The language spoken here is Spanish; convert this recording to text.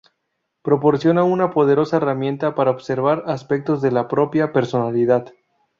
Proporciona una poderosa herramienta para observar aspectos de la propia personalidad.